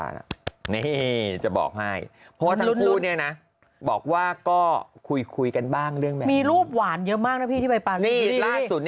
ล่าสุดนี่เขาไปเล่นสกีที่ญี่ปุ่น